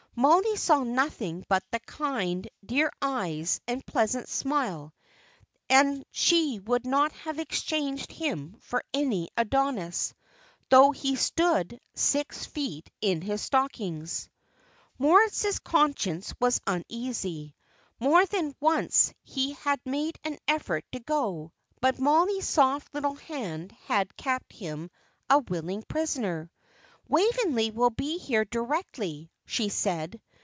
Mollie saw nothing but the kind, dear eyes, and pleasant smile, and she would not have exchanged him for any Adonis, though he stood six feet in his stockings. Moritz's conscience was uneasy. More than once he had made an effort to go, but Mollie's soft little hand had kept him a willing prisoner. "Waveney will be here directly," she said.